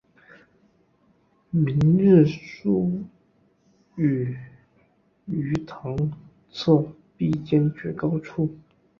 明日书数语于堂侧壁间绝高处。